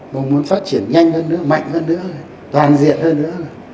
và muốn phát triển nhanh hơn nữa mạnh hơn nữa toàn diện hơn nữa